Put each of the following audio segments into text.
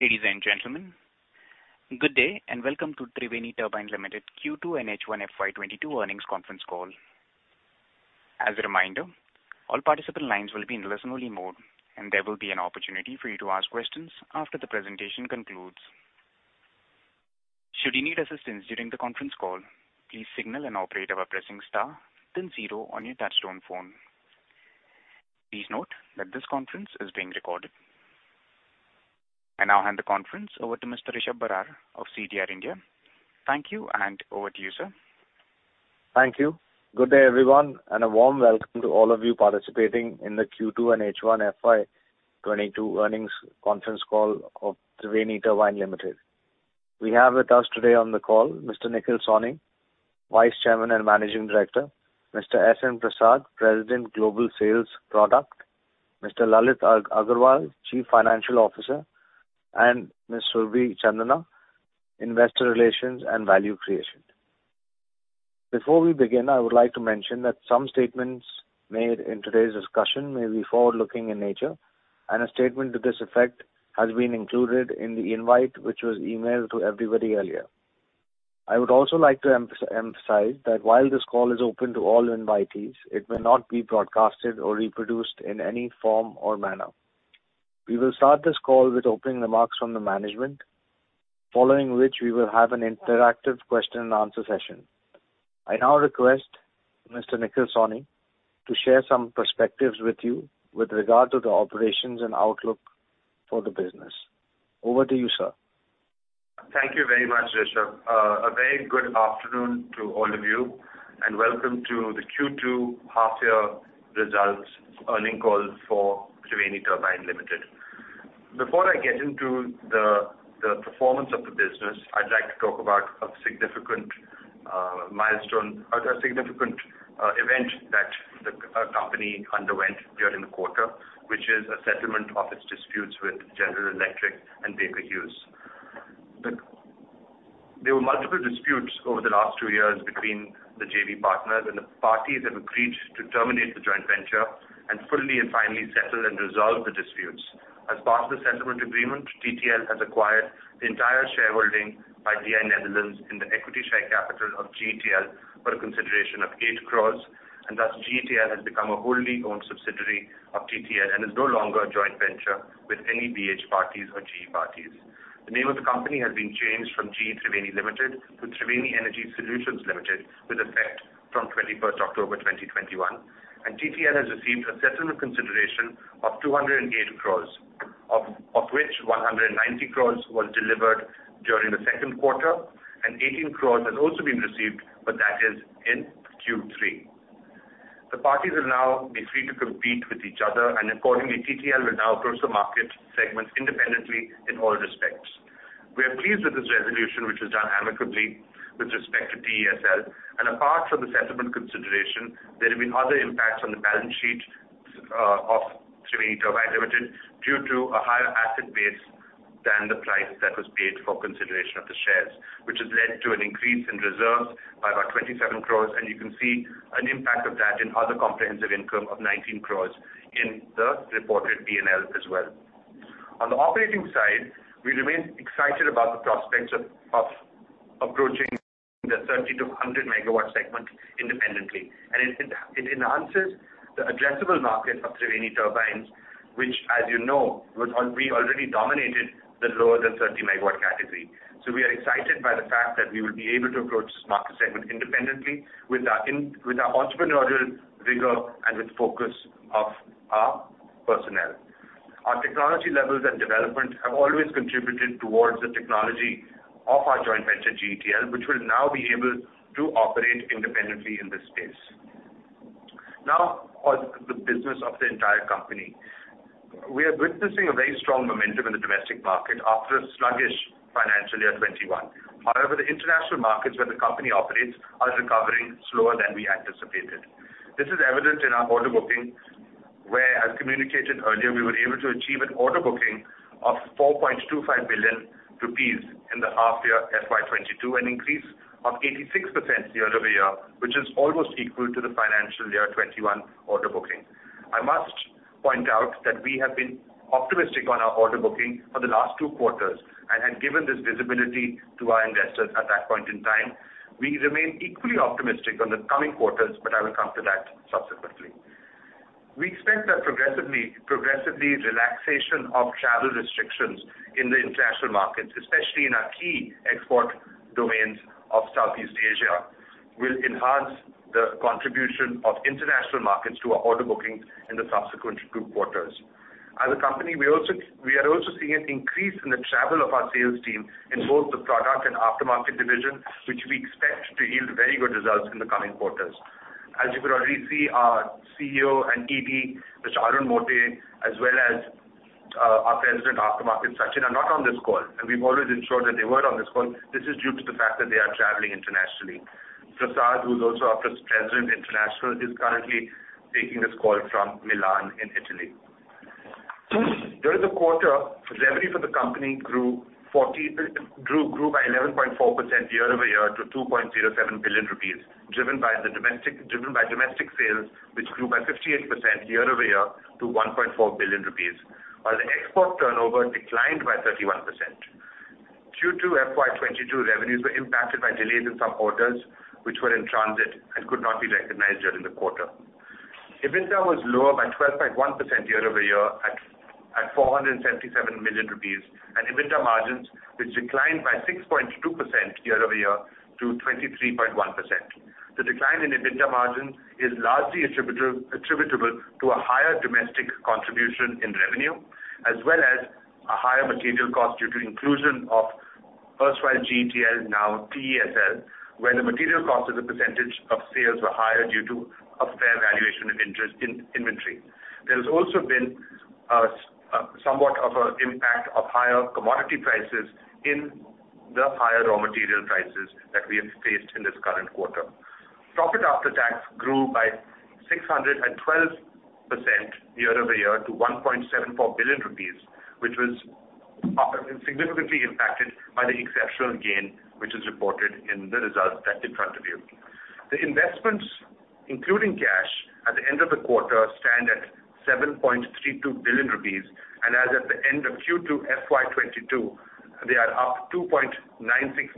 Ladies and gentlemen, good day, and welcome to Triveni Turbine Limited Q2 and H1 FY 2022 Earnings Conference Call. As a reminder, all participant lines will be in listen-only mode, and there will be an opportunity for you to ask questions after the presentation concludes. Should you need assistance during the conference call, please signal an operator by pressing star then zero on your touchtone phone. Please note that this conference is being recorded. I now hand the conference over to Mr. Rishab Barar of CDR India. Thank you, and over to you, sir. Thank you. Good day, everyone, and a warm welcome to all of you participating in the Q2 and H1 FY 2022 earnings conference call of Triveni Turbine Limited. We have with us today on the call Mr. Nikhil Sawhney, Vice Chairman and Managing Director, Mr. S N Prasad, President Global Sales Product, Mr. Lalit Agarwal, Chief Financial Officer, and Ms. Surabhi Chandna, Investor Relations and Value Creation. Before we begin, I would like to mention that some statements made in today's discussion may be forward-looking in nature, and a statement to this effect has been included in the invite which was emailed to everybody earlier. I would also like to emphasize that while this call is open to all invitees, it may not be broadcasted or reproduced in any form or manner. We will start this call with opening remarks from the management. Following which, we will have an interactive question and answer session. I now request Mr. Nikhil Sawhney to share some perspectives with you with regard to the operations and outlook for the business. Over to you, sir. Thank you very much, Rishab. A very good afternoon to all of you, and welcome to the Q2 half year results earnings call for Triveni Turbine Limited. Before I get into the performance of the business, I'd like to talk about a significant event that the company underwent during the quarter, which is a settlement of its disputes with General Electric and Baker Hughes. There were multiple disputes over the last two years between the JV partners, and the parties have agreed to terminate the joint venture and fully and finally settle and resolve the disputes. As part of the settlement agreement, TTL has acquired the entire shareholding by GE Power Netherlands BV in the equity share capital of GTL for a consideration of 8 crore, and thus GTL has become a wholly-owned subsidiary of TTL and is no longer a joint venture with any BH parties or GE parties. The name of the company has been changed from GE Triveni Limited to Triveni Energy Solutions Limited with effect from 21st October 2021, and TTL has received a settlement consideration of 208 crore, of which 190 crore was delivered during the second quarter, and 18 crore has also been received, but that is in Q3. The parties will now be free to compete with each other, and accordingly, TTL will now approach the market segment independently in all respects. We are pleased with this resolution, which was done amicably with respect to TESL. Apart from the settlement consideration, there have been other impacts on the balance sheet of Triveni Turbine Limited due to a higher asset base than the price that was paid for consideration of the shares, which has led to an increase in reserves by about 27 crores, and you can see an impact of that in other comprehensive income of 19 crores in the reported P&L as well. On the operating side, we remain excited about the prospects of approaching the 30-100 MW segment independently. It enhances the addressable market of Triveni Turbines, which as you know, we already dominated the lower than 30 MW category. We are excited by the fact that we will be able to approach this market segment independently with our entrepreneurial rigor and with focus of our personnel. Our technology levels and development have always contributed towards the technology of our joint venture, GTL, which will now be able to operate independently in this space. Now on the business of the entire company. We are witnessing a very strong momentum in the domestic market after a sluggish FY 2021. However, the international markets where the company operates are recovering slower than we anticipated. This is evident in our order booking where, as communicated earlier, we were able to achieve an order booking of 4.25 billion rupees in the half year FY 2022, an increase of 86% year-over-year, which is almost equal to the FY 2021 order booking. I must point out that we have been optimistic on our order booking for the last two quarters and had given this visibility to our investors at that point in time. We remain equally optimistic on the coming quarters, but I will come to that subsequently. We expect that progressively relaxation of travel restrictions in the international markets, especially in our key export domains of Southeast Asia, will enhance the contribution of international markets to our order bookings in the subsequent group quarters. As a company, we are also seeing an increase in the travel of our sales team in both the product and aftermarket division, which we expect to yield very good results in the coming quarters. As you could already see, our CEO and ED, Mr. Arun Mote, as well as our President, Aftermarket, Sachin, are not on this call. We've always ensured that they were on this call. This is due to the fact that they are traveling internationally. S N Prasad, who's also our President International, is currently taking this call from Milan in Italy. During the quarter, revenue for the company grew by 11.4% year-over-year to 2.07 billion rupees, driven by domestic sales, which grew by 58% year-over-year to 1.4 billion rupees, while the export turnover declined by 31%. Q2 FY 2022 revenues were impacted by delays in some orders which were in transit and could not be recognized during the quarter. EBITDA was lower by 12.1% year-over-year at 477 million rupees, and EBITDA margins, which declined by 6.2% year-over-year to 23.1%. The decline in EBITDA margin is largely attributable to a higher domestic contribution in revenue, as well as a higher material cost due to inclusion of erstwhile GTL, now TESL, where the material cost as a percentage of sales were higher due to a fair valuation of interest in inventory. There has also been somewhat of an impact of higher commodity prices in the higher raw material prices that we have faced in this current quarter. Profit after tax grew by 612% year-over-year to 1.74 billion rupees, which was significantly impacted by the exceptional gain, which is reported in the results that's in front of you. The investments, including cash, at the end of the quarter stand at 7.32 billion rupees, and as at the end of Q2 FY 2022, they are up 2.96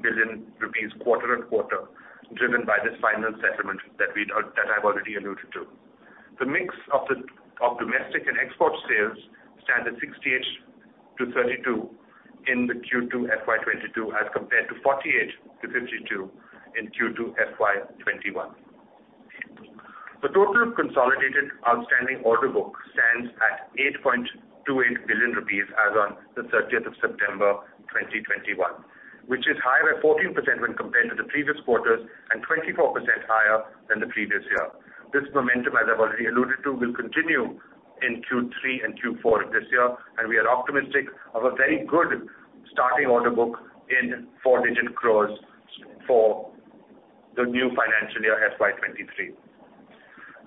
billion rupees quarter-on-quarter, driven by this final settlement that I've already alluded to. The mix of domestic and export sales stands at 68%-32% in Q2 FY 2022, as compared to 48%-52% in Q2 FY 2021. The total consolidated outstanding order book stands at 8.28 billion rupees as on the 30th of September 2021, which is higher by 14% when compared to the previous quarters, and 24% higher than the previous year. This momentum, as I've already alluded to, will continue in Q3 and Q4 of this year, and we are optimistic of a very good starting order book in four-digit crores for the new financial year, FY 2023.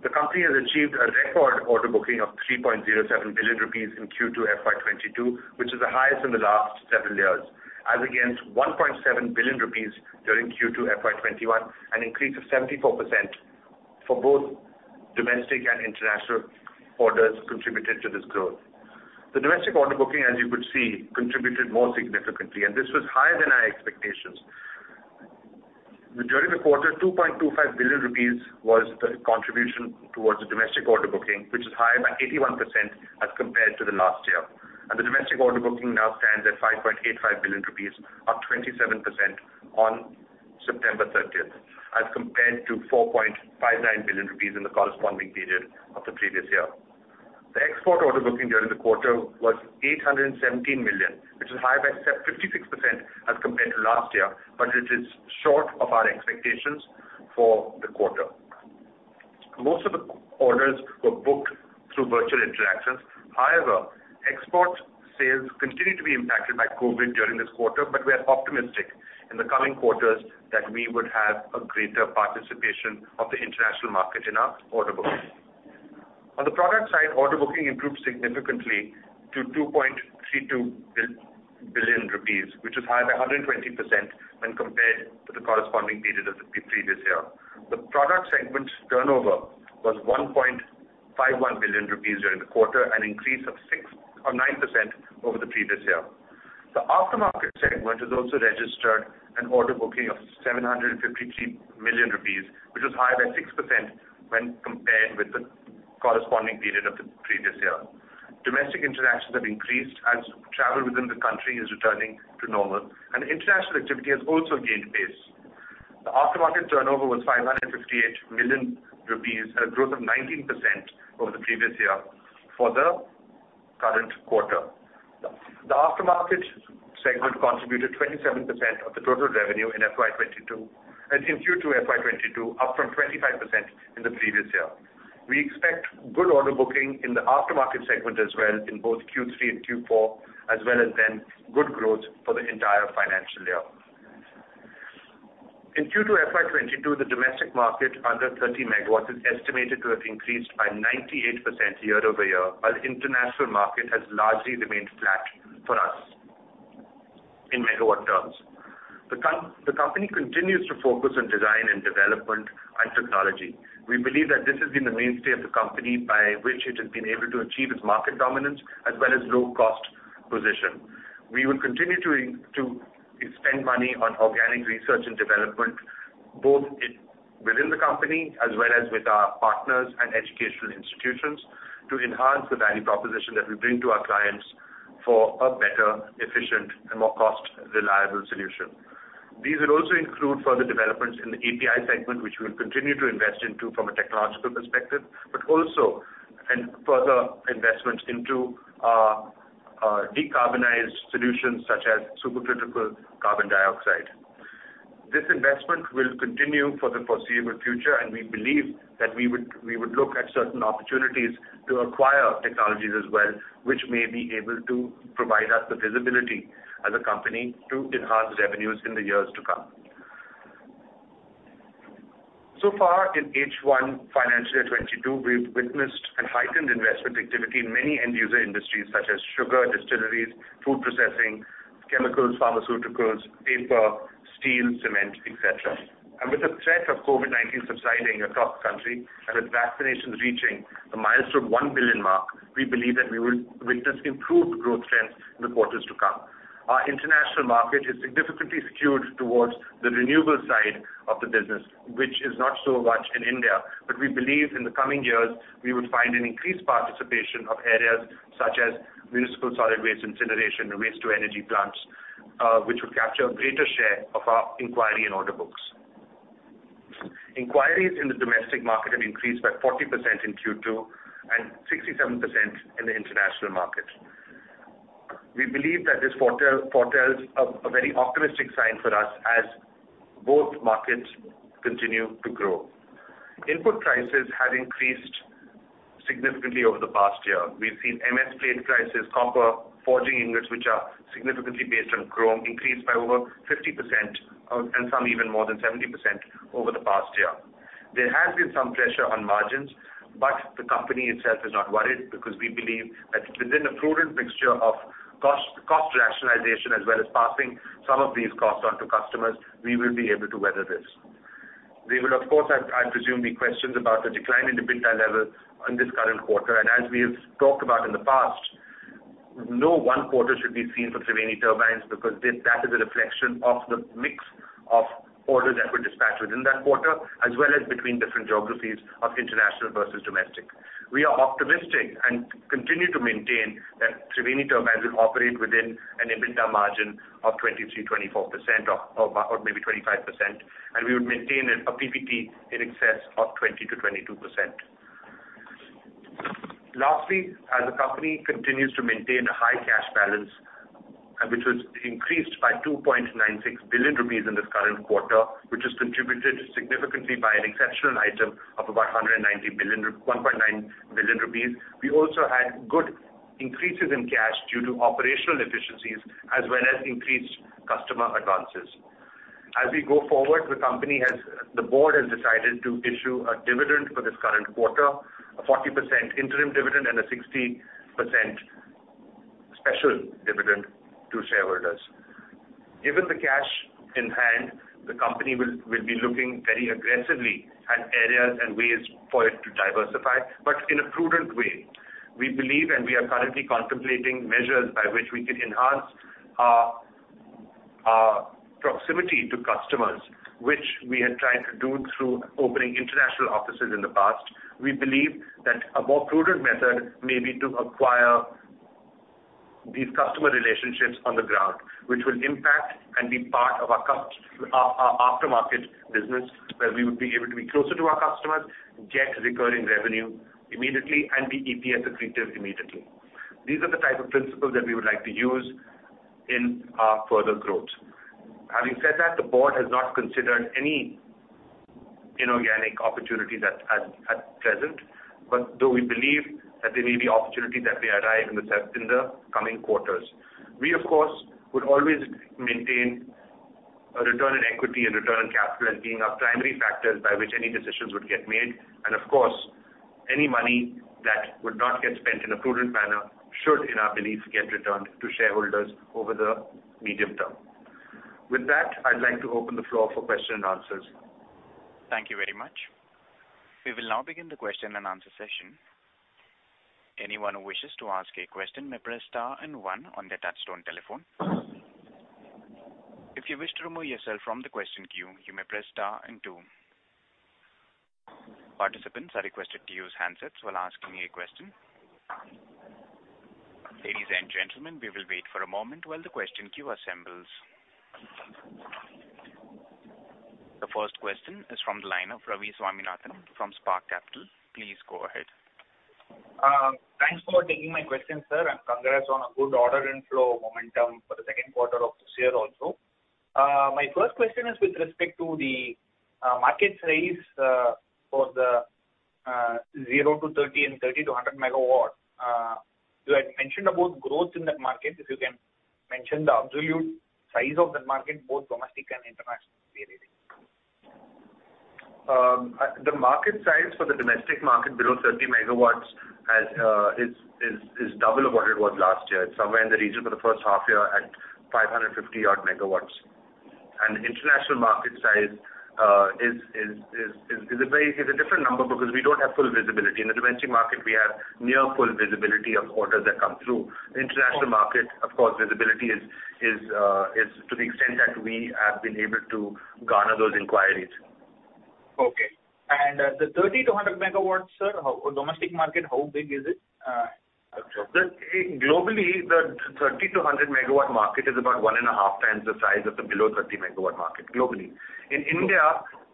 The company has achieved a record order booking of 3.07 billion rupees in Q2 FY 2022, which is the highest in the last several years as against 1.7 billion rupees during Q2 FY 2021, an increase of 74% for both domestic and international orders contributed to this growth. The domestic order booking, as you could see, contributed more significantly, and this was higher than our expectations. During the quarter, 2.25 billion rupees was the contribution towards the domestic order booking, which is higher by 81% as compared to the last year. The domestic order booking now stands at 5.85 billion rupees, up 27% on September 30th, as compared to 4.59 billion rupees in the corresponding period of the previous year. The export order booking during the quarter was 817 million, which is higher by 56% as compared to last year, but it is short of our expectations for the quarter. Most of the orders were booked through virtual interactions. However, export sales continued to be impacted by COVID during this quarter, but we are optimistic in the coming quarters that we would have a greater participation of the international market in our order booking. On the product side, order booking improved significantly to 2.32 billion rupees, which is higher by 120% when compared to the corresponding period of the previous year. The product segment's turnover was 1.51 billion rupees during the quarter, an increase of 9% over the previous year. The aftermarket segment has also registered an order booking of 753 million rupees, which was higher by 6% when compared with the corresponding period of the previous year. Domestic interactions have increased as travel within the country is returning to normal, and international activity has also gained pace. The aftermarket turnover was 558 million rupees, a growth of 19% over the previous year for the current quarter. The aftermarket segment contributed 27% of the total revenue in FY 2022, in Q2 FY 2022, up from 25% in the previous year. We expect good order booking in the aftermarket segment as well in both Q3 and Q4, as well as then good growth for the entire financial year. In Q2 FY 2022, the domestic market under 30 MW is estimated to have increased by 98% year-over-year, while the international market has largely remained flat for us in megawatt terms. The company continues to focus on design and development and technology. We believe that this has been the mainstay of the company by which it has been able to achieve its market dominance as well as low cost position. We will continue to spend money on organic research and development, both in, within the company as well as with our partners and educational institutions, to enhance the value proposition that we bring to our clients for a better, efficient, and more cost reliable solution. These will also include further developments in the API segment, which we'll continue to invest into from a technological perspective, but also and further investments into decarbonized solutions such as supercritical carbon dioxide. This investment will continue for the foreseeable future, and we believe that we would look at certain opportunities to acquire technologies as well, which may be able to provide us the visibility as a company to enhance revenues in the years to come. So far in H1 FY 2022, we've witnessed a heightened investment activity in many end user industries such as sugar, distilleries, food processing, chemicals, pharmaceuticals, paper, steel, cement, et cetera. With the threat of COVID-19 subsiding across the country and with vaccinations reaching the milestone 1 billion mark, we believe that we will witness improved growth trends in the quarters to come. Our international market is significantly skewed towards the renewable side of the business, which is not so much in India. We believe in the coming years, we will find an increased participation of areas such as municipal solid waste incineration and waste to energy plants, which will capture a greater share of our inquiry and order books. Inquiries in the domestic market have increased by 40% in Q2 and 67% in the international market. We believe that this foretells a very optimistic sign for us as both markets continue to grow. Input prices have increased significantly over the past year. We've seen MS plate prices, copper, forging ingots, which are significantly based on chrome, increased by over 50%, and some even more than 70% over the past year. There has been some pressure on margins, but the company itself is not worried because we believe that within a prudent mixture of cost rationalization as well as passing some of these costs on to customers, we will be able to weather this. There will, of course, I presume, be questions about the decline in the EBITDA levels in this current quarter. As we have talked about in the past, no one quarter should be seen for Triveni Turbines, because that is a reflection of the mix of orders that were dispatched within that quarter, as well as between different geographies of international versus domestic. We are optimistic and continue to maintain that Triveni Turbines will operate within an EBITDA margin of 23%-24% or about or maybe 25%, and we would maintain a PBT in excess of 20%-22%. Lastly, as the company continues to maintain a high cash balance, which was increased by 2.96 billion rupees in this current quarter, which is contributed significantly by an exceptional item of about 1.9 billion rupees. We also had good increases in cash due to operational efficiencies as well as increased customer advances. As we go forward, the board has decided to issue a dividend for this current quarter, a 40% interim dividend and a 60% special dividend to shareholders. Given the cash in hand, the company will be looking very aggressively at areas and ways for it to diversify, but in a prudent way. We believe and we are currently contemplating measures by which we can enhance our proximity to customers, which we had tried to do through opening international offices in the past. We believe that a more prudent method may be to acquire these customer relationships on the ground, which will impact and be part of our aftermarket business, where we would be able to be closer to our customers, get recurring revenue immediately, and be EPS accretive immediately. These are the type of principles that we would like to use in our further growth. Having said that, the board has not considered any inorganic opportunities at present, but though we believe that there may be opportunities that may arise in the coming quarters. We of course would always maintain a return on equity and return on capital as being our primary factors by which any decisions would get made. Of course, any money that would not get spent in a prudent manner should, in our belief, get returned to shareholders over the medium term. With that, I'd like to open the floor for question and answers. Thank you very much. We will now begin the question and answer session. Anyone who wishes to ask a question may press star and one on their touchtone telephone. If you wish to remove yourself from the question queue, you may press star and two. Participants are requested to use handsets while asking a question. Ladies and gentlemen, we will wait for a moment while the question queue assembles. The first question is from the line of Ravi Swaminathan from Spark Capital. Please go ahead. Thanks for taking my question, sir, and congrats on a good order inflow momentum for the second quarter of this year also. My first question is with respect to the market size for the 0-30 MW and 30-100 MW. You had mentioned about growth in that market. If you can mention the absolute size of that market, both domestic and international, clearly. The market size for the domestic market below 30 MW is double of what it was last year. It's somewhere in the region for the first half year at 550-odd MW. International market size is a very different number because we don't have full visibility. In the domestic market, we have near full visibility of orders that come through. The international market, of course, visibility is to the extent that we have been able to garner those inquiries. The 30-100 MW domestic market, sir, how big is it? Globally, the 30-100 MW market is about 1.5x the size of the below 30 MW market globally. In India,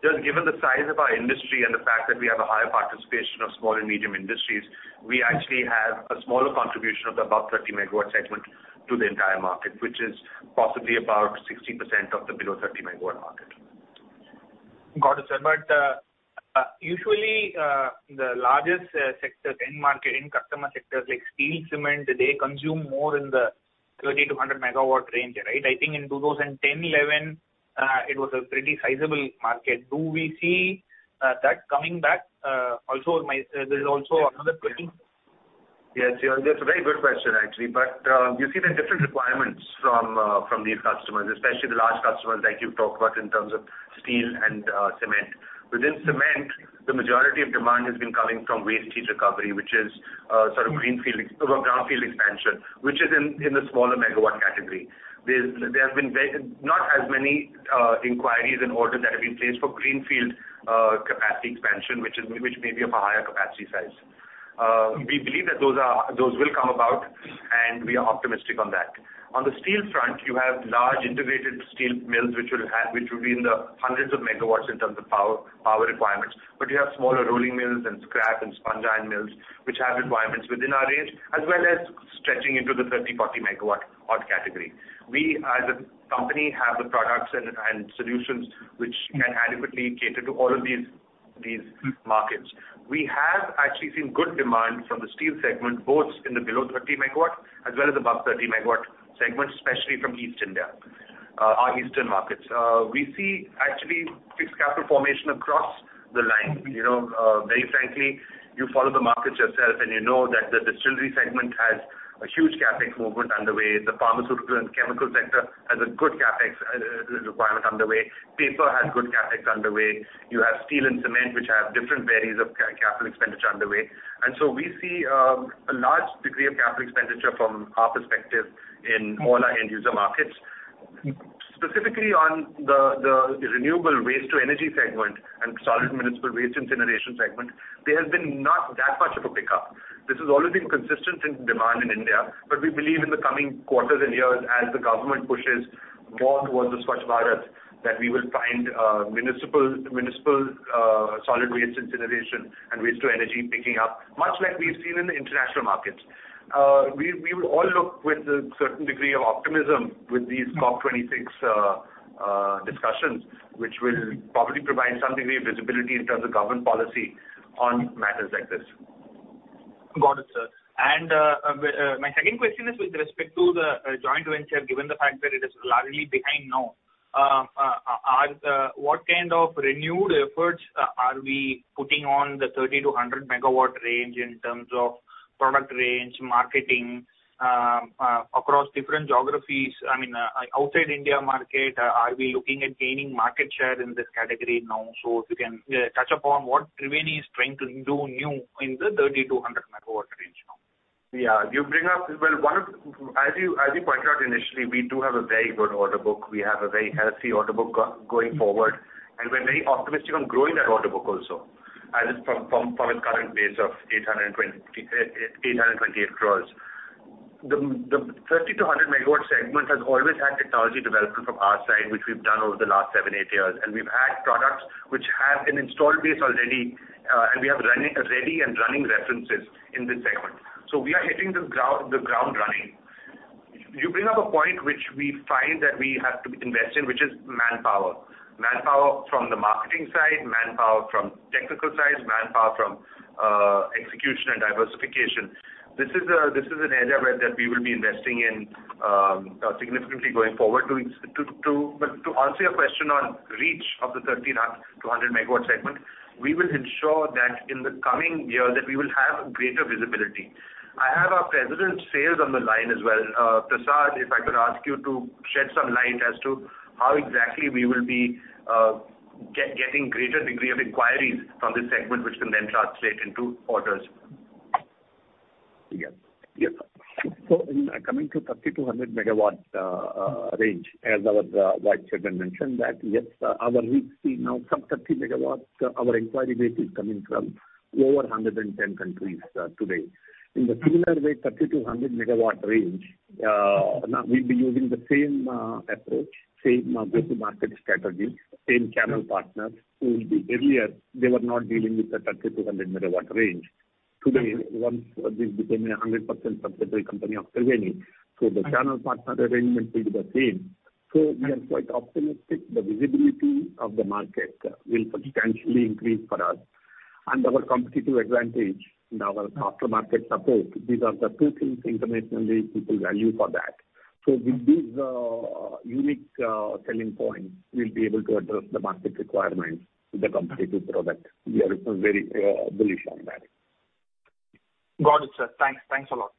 just given the size of our industry and the fact that we have a higher participation of small and medium industries, we actually have a smaller contribution of the above 30 MW segment to the entire market, which is possibly about 60% of the below 30 MW market. Got it, sir. Usually, the largest sectors end market, end customer sectors like steel, cement, they consume more in the 30-100 MW range, right? I think in 2010, 2011, it was a pretty sizable market. Do we see that coming back? Also, there is also another question. Yes. Yeah, that's a very good question actually. You see the different requirements from these customers, especially the large customers that you've talked about in terms of steel and cement. Within cement, the majority of demand has been coming from waste heat recovery, which is sort of greenfield or a brownfield expansion, which is in the smaller megawatt category. There have been not as many inquiries and orders that have been placed for greenfield capacity expansion, which may be of a higher capacity size. We believe that those will come about, and we are optimistic on that. On the steel front, you have large integrated steel mills which will be in the hundreds of megawatts in terms of power requirements. You have smaller rolling mills and scrap and sponge iron mills which have requirements within our range, as well as stretching into the 30-40 MW odd category. We as a company have the products and solutions which can adequately cater to all of these markets. We have actually seen good demand from the steel segment, both in the below 30 MW as well as above 30 MW segments, especially from East India, our eastern markets. We see actually fixed capital formation across the line. You know, very frankly, you follow the markets yourself, and you know that the distillery segment has a huge CapEx movement underway. The pharmaceutical and chemical sector has a good CapEx requirement underway. Paper has good CapEx underway. You have steel and cement, which have different varieties of capital expenditure underway. We see a large degree of capital expenditure from our perspective in all our end user markets. Specifically on the renewable waste to energy segment and solid municipal waste incineration segment, there has been not that much of a pickup. This has always been consistent in demand in India, but we believe in the coming quarters and years, as the government pushes more towards the Swachh Bharat, that we will find municipal solid waste incineration and waste to energy picking up, much like we've seen in the international markets. We would all look with a certain degree of optimism with these COP26 discussions, which will probably provide some degree of visibility in terms of government policy on matters like this. Got it, sir. My second question is with respect to the joint venture, given the fact that it is largely behind now. What kind of renewed efforts are we putting on the 30-100 MW range in terms of product range, marketing, across different geographies? I mean, outside India market, are we looking at gaining market share in this category now? If you can touch upon what Triveni is trying to do new in the 30-100 MW range now. Yeah. You bring up, well. As you pointed out initially, we do have a very good order book. We have a very healthy order book going forward, and we're very optimistic on growing that order book also. From its current base of INR 828 crore. The 30-100 MW segment has always had technology development from our side, which we've done over the last seven-eight years. We've had products which have an installed base already, and we have running, ready and running references in this segment. So we are hitting the ground running. You bring up a point which we find that we have to invest in, which is manpower. Manpower from the marketing side, manpower from technical side, manpower from execution and diversification. This is an area where that we will be investing in significantly going forward. To answer your question on reach of the 30-100 MW segment, we will ensure that in the coming year that we will have greater visibility. I have our President, Sales on the line as well. Prasad, if I could ask you to shed some light as to how exactly we will be getting greater degree of inquiries from this segment, which can then translate into orders. In coming to 30-100 MW range, as our Nikhil Sawhney mentioned that, yes, our reach is now from 30 MW, our inquiry base is coming from over 110 countries today. In the similar way, 30-100 MW range, now we'll be using the same approach, same go-to-market strategy, same channel partners who were earlier, they were not dealing with the 30-100 MW range. Today, once this became a 100% subsidiary company of Triveni, the channel partner arrangement will be the same. We are quite optimistic the visibility of the market will substantially increase for us and our competitive advantage in our after-market support. These are the two things internationally people value for that. With these unique selling points, we'll be able to address the market requirements with a competitive product. We are very bullish on that. Got it, sir. Thanks. Thanks a lot.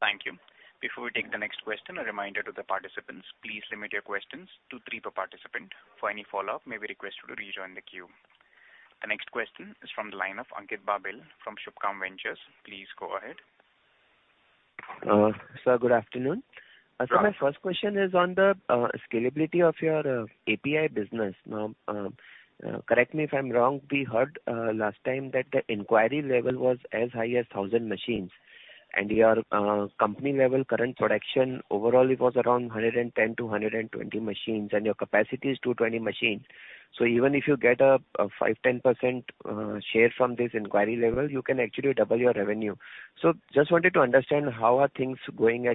Thank you. Before we take the next question, a reminder to the participants, please limit your questions to three per participant. For any follow-up, may we request you to rejoin the queue. The next question is from the line of Ankit Babel from Shubhkam Ventures. Please go ahead. Sir, good afternoon. My first question is on the scalability of your API business. Now, correct me if I'm wrong, we heard last time that the inquiry level was as high as 1,000 machines. Your company level current production overall it was around 110-120 machines, and your capacity is 220 machines. Even if you get a 5%-10% share from this inquiry level, you can actually double your revenue. Just wanted to understand how are things going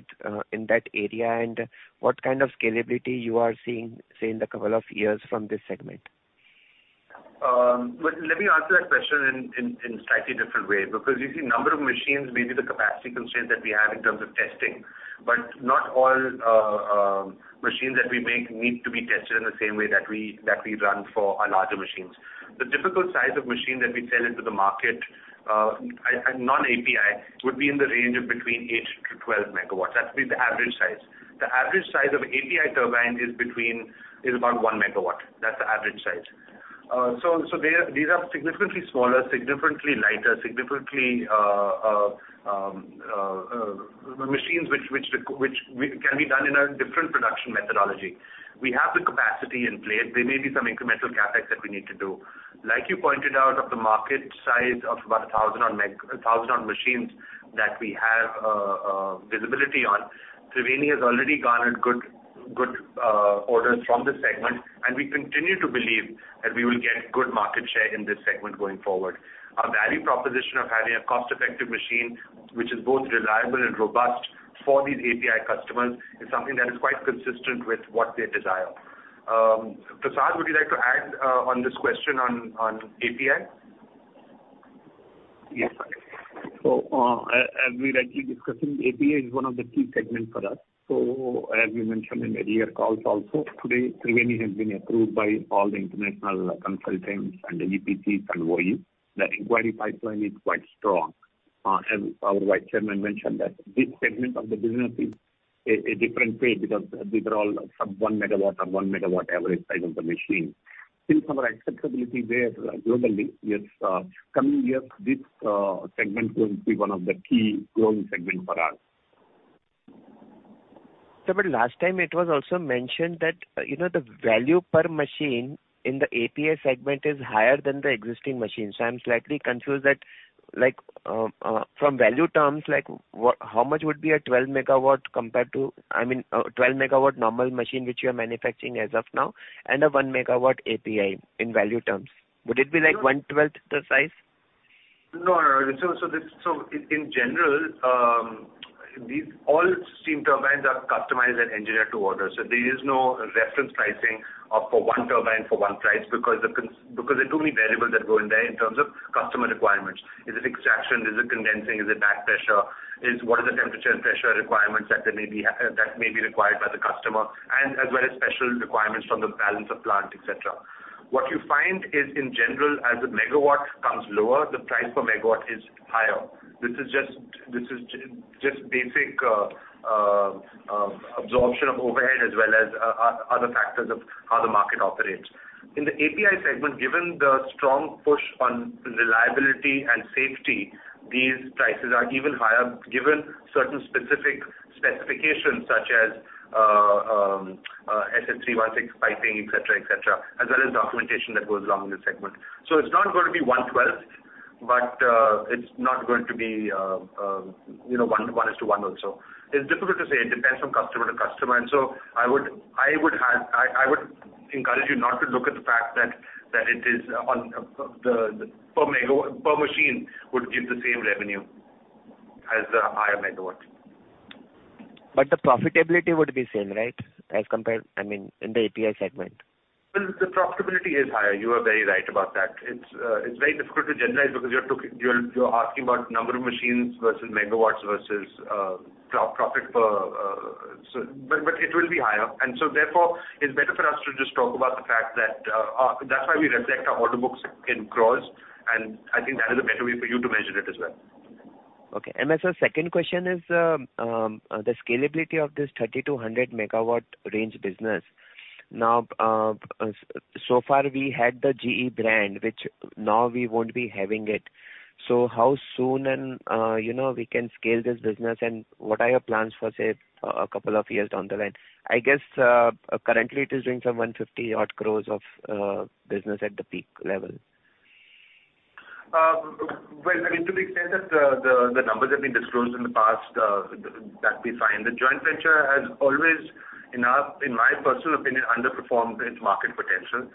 in that area, and what kind of scalability you are seeing, say, in the couple of years from this segment? Well, let me answer that question in slightly different way, because you see number of machines may be the capacity constraint that we have in terms of testing, but not all machines that we make need to be tested in the same way that we run for our larger machines. The typical size of machine that we sell into the market, and non-API, would be in the range of between 8-12 MW. That's the average size. The average size of API turbine is about 1 MW. That's the average size. These are significantly smaller, significantly lighter, significantly machines which can be done in a different production methodology. We have the capacity in place. There may be some incremental CapEx that we need to do. Like you pointed out, of the market size of about 1000 MW machines that we have visibility on, Triveni has already garnered good orders from this segment, and we continue to believe that we will get good market share in this segment going forward. Our value proposition of having a cost effective machine, which is both reliable and robust for these API customers, is something that is quite consistent with what they desire. Prasad, would you like to add on this question on API? Yes. As we're actually discussing, API is one of the key segments for us. As we mentioned in earlier calls also, today Triveni has been approved by all the international consultants and the EPCs and OEMs. The inquiry pipeline is quite strong. As our Vice Chairman mentioned that this segment of the business is a different page because these are all sub-1 MW or 1 MW average size of the machine. Since our acceptability there globally is coming years, this segment will be one of the key growing segment for us. Sir, last time it was also mentioned that, you know, the value per machine in the API segment is higher than the existing machines. I'm slightly confused that like, from value terms, like how much would be a 12 MW compared to, I mean, a 12 MW normal machine which you are manufacturing as of now and a 1 MW API in value terms? Would it be like 1/12 the size? In general, these all steam turbines are customized and engineered to order. There is no reference pricing for one turbine for one price because there are too many variables that go in there in terms of customer requirements. Is it extraction? Is it condensing? Is it back pressure? What is the temperature and pressure requirements that may be required by the customer, and as well as special requirements from the balance of plant, et cetera. What you find is, in general, as the megawatt comes lower, the price per megawatt is higher. This is just basic absorption of overhead as well as other factors of how the market operates. In the API segment, given the strong push on reliability and safety, these prices are even higher given certain specific specifications such as SS316 piping, et cetera, et cetera, as well as documentation that goes along in this segment. It's not going to be 1/12, but it's not going to be one to one also. It's difficult to say. It depends from customer to customer. I would encourage you not to look at the fact that the per megawatt per machine would give the same revenue as the higher megawatt. The profitability would be same, right? As compared, I mean, in the API segment. Well, the profitability is higher. You are very right about that. It's very difficult to generalize because you're talking, you're asking about number of machines versus megawatts versus profit per. It will be higher. Therefore, it's better for us to just talk about the fact that that's why we reflect our order books in crores, and I think that is a better way for you to measure it as well. Okay. My second question, sir, is the scalability of this 30-100 MW range business. Now, so far we had the GE brand, which now we won't be having it. How soon and you know we can scale this business, and what are your plans for, say, a couple of years down the line? I guess currently it is doing some 150-odd crore of business at the peak level. Well, I mean, to the extent that the numbers have been disclosed in the past, that we find. The joint venture has always, in my personal opinion, underperformed its market potential.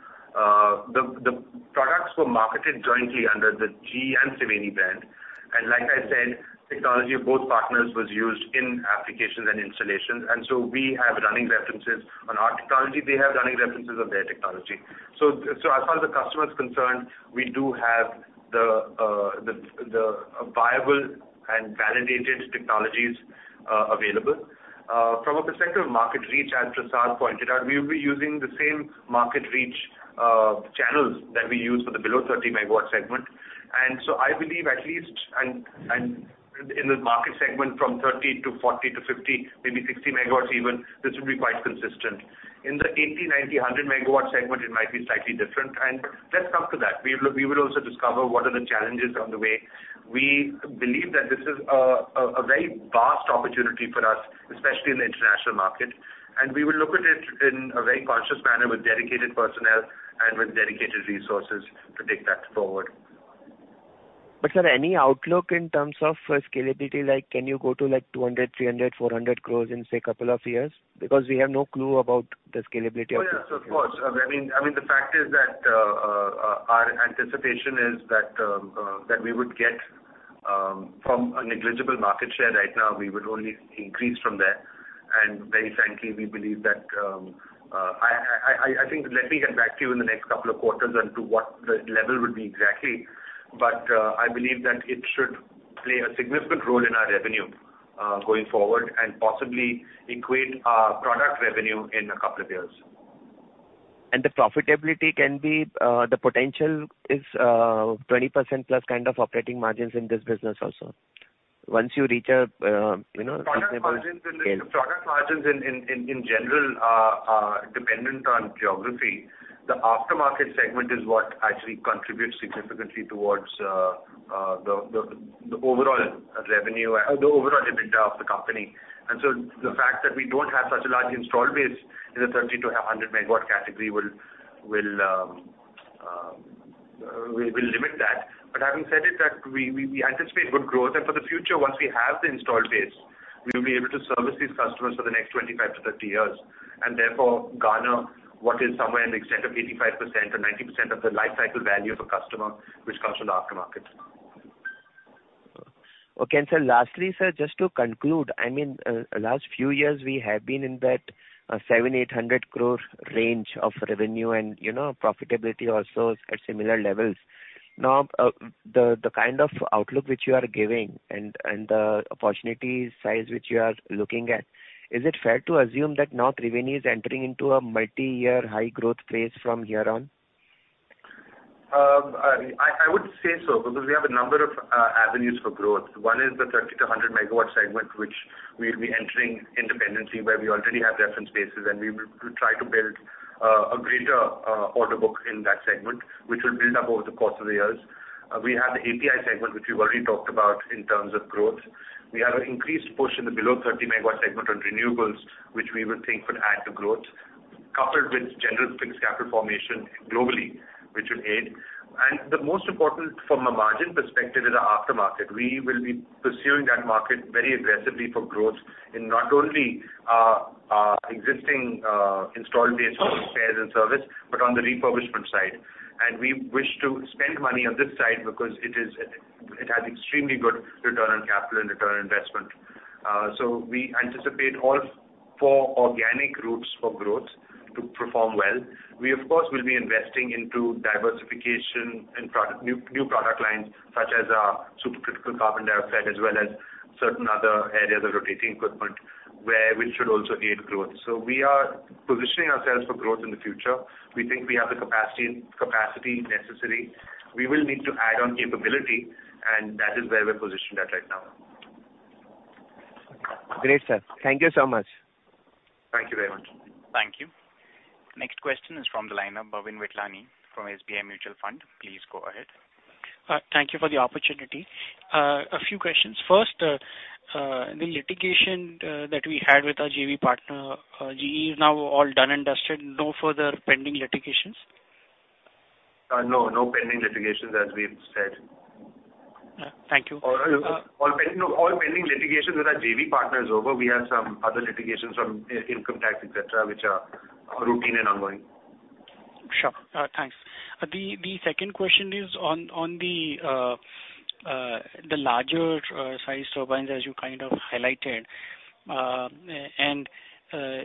The products were marketed jointly under the GE and Triveni brand. Like I said, technology of both partners was used in applications and installations. We have running references on our technology. They have running references of their technology. So as far as the customer is concerned, we do have the viable and validated technologies available. From a perspective of market reach, as Prasad pointed out, we will be using the same market reach channels that we use for the below 30 MW segment. I believe at least, and in the market segment from 30 to 40 to 50, maybe 60 MW even, this will be quite consistent. In the 80, 90, 100 MW segment, it might be slightly different. Let's come to that. We will also discover what are the challenges on the way. We believe that this is a very vast opportunity for us, especially in the international market, and we will look at it in a very conscious manner with dedicated personnel and with dedicated resources to take that forward. Sir, any outlook in terms of scalability, like can you go to like 200 crore, 300 crore, 400 crore in, say, couple of years? Because we have no clue about the scalability of this. Oh, yeah, of course. I mean, the fact is that our anticipation is that we would get from a negligible market share right now. We would only increase from there. Very frankly, we believe that I think let me get back to you in the next couple of quarters on what the level would be exactly. I believe that it should play a significant role in our revenue going forward and possibly equate our product revenue in a couple of years. The potential is 20% plus kind of operating margins in this business also. Once you reach a you know, sustainable scale. Product margins in general are dependent on geography. The aftermarket segment is what actually contributes significantly towards the overall revenue, the overall EBITDA of the company. The fact that we don't have such a large installed base in the 30-100 MW category will limit that. But having said that we anticipate good growth. For the future, once we have the installed base, we will be able to service these customers for the next 25-30 years, and therefore garner what is somewhere in the extent of 85% or 90% of the lifecycle value of a customer which comes from the aftermarket. Okay. Sir, lastly, sir, just to conclude, I mean, last few years we have been in that 700 crore-800 crore range of revenue and, you know, profitability also at similar levels. Now, the kind of outlook which you are giving and the opportunity size which you are looking at, is it fair to assume that now Triveni is entering into a multi-year high growth phase from here on? I would say so, because we have a number of avenues for growth. One is the 30-100 MW segment, which we'll be entering independently, where we already have reference bases, and we will try to build a greater order book in that segment, which will build up over the course of the years. We have the API segment, which we've already talked about in terms of growth. We have an increased push in the below 30 MW segment on renewables, which we would think would add to growth, coupled with general fixed capital formation globally, which would aid. The most important from a margin perspective is our aftermarket. We will be pursuing that market very aggressively for growth in not only existing installed base for spares and service, but on the refurbishment side. We wish to spend money on this side because it has extremely good return on capital and return on investment. We anticipate all four organic routes for growth to perform well. We of course will be investing into diversification and product new product lines such as supercritical carbon dioxide, as well as certain other areas of rotating equipment which should also aid growth. We are positioning ourselves for growth in the future. We think we have the capacity necessary. We will need to add on capability, and that is where we're positioned at right now. Great, sir. Thank you so much. Thank you very much. Thank you. Next question is from the line of Bhavin Vithlani from SBI Mutual Fund. Please go ahead. Thank you for the opportunity. A few questions. First, the litigation that we had with our JV partner, GE, is now all done and dusted, no further pending litigations? No pending litigations, as we've said. Thank you. All pending litigations with our JV partner is over. We have some other litigations on income tax, et cetera, which are routine and ongoing. Sure. Thanks. The second question is on the larger sized turbines, as you kind of highlighted.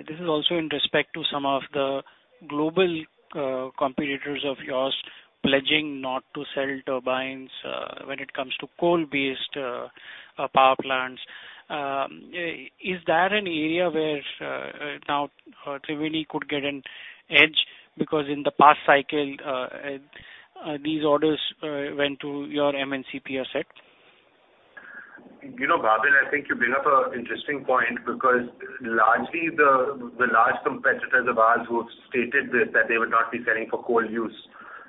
This is also in respect to some of the global competitors of yours pledging not to sell turbines when it comes to coal-based power plants. Is there any area where now Triveni could get an edge? Because in the past cycle, these orders went to your MNC counterpart. You know, Bhavin, I think you bring up an interesting point because largely the large competitors of ours who have stated this, that they would not be selling for coal use.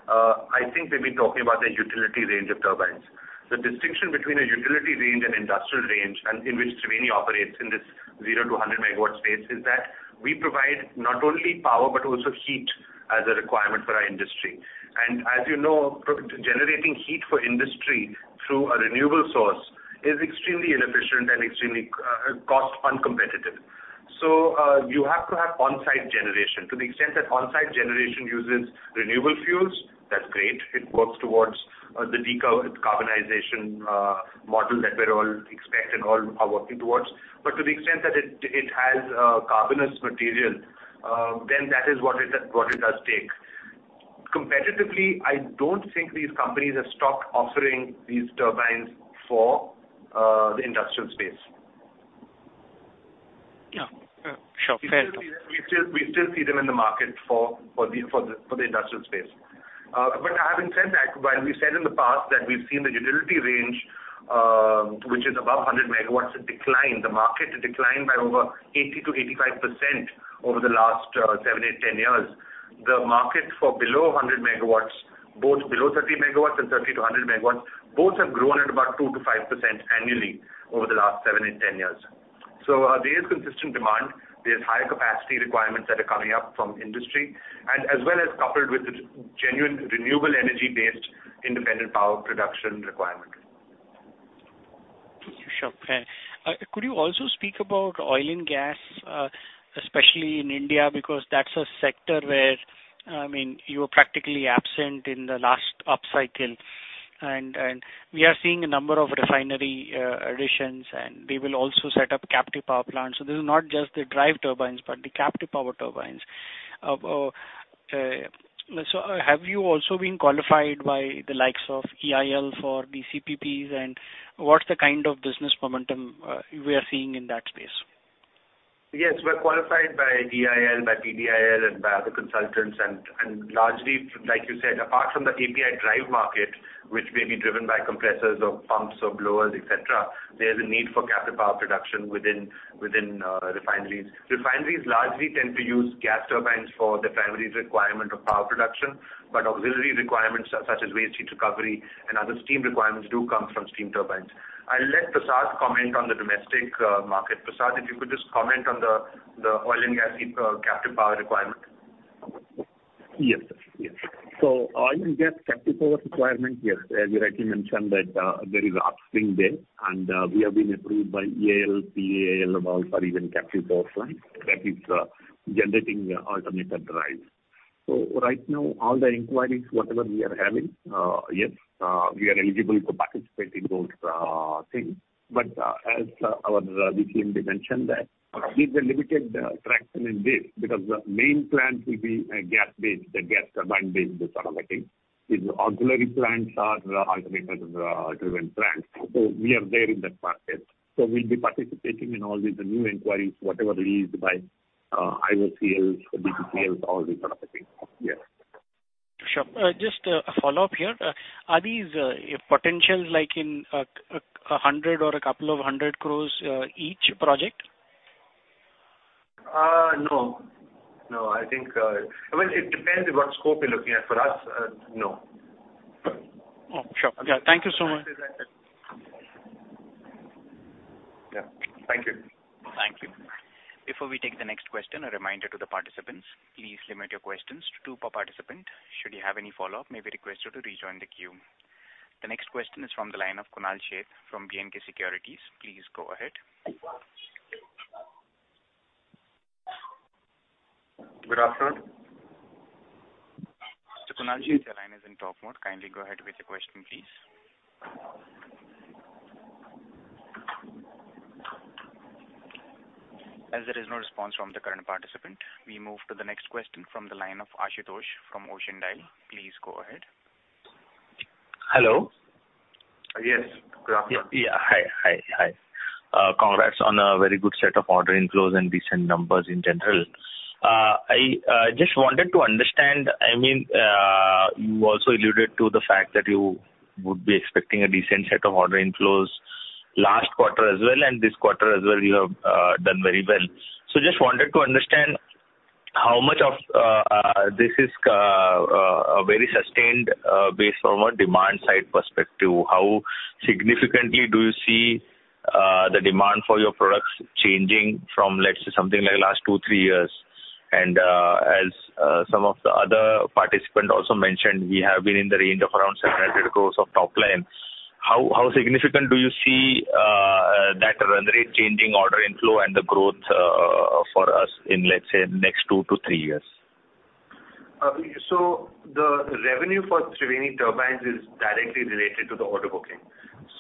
I think they've been talking about the utility range of turbines. The distinction between a utility range and industrial range, and in which Triveni operates in this 0-100 MW space, is that we provide not only power but also heat as a requirement for our industry. As you know, generating heat for industry through a renewable source is extremely inefficient and extremely cost uncompetitive. You have to have on-site generation. To the extent that on-site generation uses renewable fuels, that's great. It works towards the decarbonization model that we're all expecting and all are working towards. To the extent that it has carbonaceous material, then that is what it does take. Competitively, I don't think these companies have stopped offering these turbines for the industrial space. Yeah. Sure. Fair enough. We still see them in the market for the industrial space. But having said that, while we said in the past that we've seen the utility range, which is above 100 MW, decline by over 80%-85% over the last seven-10 years. The market for below 100 MW, both below 30 MW and 30-100 MW, have grown at about 2%-5% annually over the last seven-10 years. There is consistent demand. There's higher capacity requirements that are coming up from industry and as well as coupled with the genuine renewable energy based independent power production requirement. Could you also speak about oil and gas, especially in India, because that's a sector where, I mean, you were practically absent in the last upcycle. We are seeing a number of refinery additions, and they will also set up captive power plants. This is not just the drive turbines, but the captive power turbines. Have you also been qualified by the likes of EIL for the CPPs, and what's the kind of business momentum we are seeing in that space? Yes, we're qualified by EIL, by PDIL, and by other consultants. Largely, like you said, apart from the API drive market, which may be driven by compressors or pumps or blowers, et cetera, there's a need for captive power production within refineries. Refineries largely tend to use gas turbines for the refineries requirement of power production, but auxiliary requirements such as waste heat recovery and other steam requirements do come from steam turbines. I'll let Prasad comment on the domestic market. Prasad, if you could just comment on the oil and gas captive power requirement. Yes, sir. Yes. Oil and gas captive power requirement, yes. As you rightly mentioned that there is upswing there, and we have been approved by EIL, PAL for even captive power plants that is generating alternator drives. Right now, all the inquiries whatever we are having, yes, we are eligible to participate in those things. But as our Nikhil mentioned that there's a limited traction in this because the main plant will be gas-based, the gas turbine based, this sort of a thing, with auxiliary plants or the alternator driven plants. We are there in that market. We'll be participating in all these new inquiries, whatever it is, by IOCLs, BPCLs, all these sort of things. Yes. Sure. Just a follow-up here. Are these potentials like in 100 crore or a couple of 100 crore each project? No. No, I think, I mean, it depends what scope you're looking at. For us, no. Oh, sure. Yeah, thank you so much. That's it. Yeah. Thank you. Thank you. Before we take the next question, a reminder to the participants, please limit your questions to two per participant. Should you have any follow-up, may we request you to rejoin the queue. The next question is from the line of Kunal Sheth from B&K Securities. Please go ahead. Good afternoon. Mr. Kunal, your line is in talk mode. Kindly go ahead with your question, please. As there is no response from the current participant, we move to the next question from the line of Ashutosh from Ocean Dial. Please go ahead. Hello. Yes. Good afternoon. Yeah. Hi, hi. Congrats on a very good set of order inflows and decent numbers in general. I just wanted to understand, I mean, you also alluded to the fact that you would be expecting a decent set of order inflows last quarter as well, and this quarter as well, you have done very well. Just wanted to understand how much of this is a very sustained base from a demand side perspective. How significantly do you see the demand for your products changing from, let's say, something like last two, three years? As some of the other participant also mentioned, we have been in the range of around 700 crore of top line. How significant do you see that run rate changing order inflow and the growth for us in, let's say, next two to three years? The revenue for Triveni Turbines is directly related to the order booking.